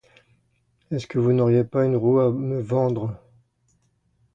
Est-ce que vous n'auriez pas une roue à me vendre?